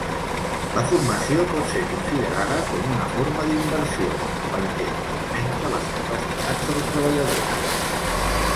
La formació pot ser considerada com una forma d'inversió, perquè augmenta les capacitats del treballador.